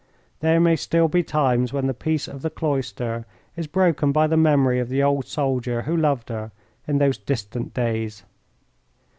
There may still be times when the peace of the cloister is broken by the memory of the old soldier who loved her in those distant days.